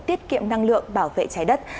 tiết kiệm năng lượng bảo vệ trái đất